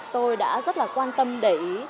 tôi đã rất là quan tâm để ý